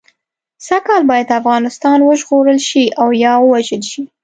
سږ کال باید افغانستان وژغورل شي او یا ووژل شي.